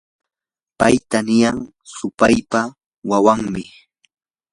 payta niyan supaypa wawanmi.